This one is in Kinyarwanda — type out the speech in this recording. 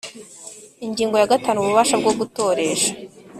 Ingingo ya gatanu Ububasha bwo gutoresha